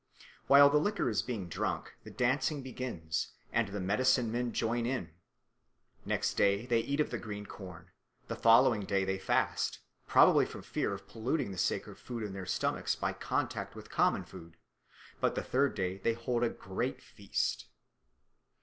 While the liquor is being drunk, the dancing begins, and the medicine men join in it. Next day they eat of the green corn; the following day they fast, probably from fear of polluting the sacred food in their stomachs by contact with common food; but the third day they hold a great feast.